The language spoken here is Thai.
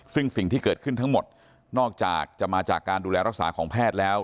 ซึ่งสิ่งที่เกิดขึ้นทั้งหมดนอกจากจะมาจากการดูแลรักษาของแพทย์แล้ว